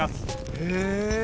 へえ。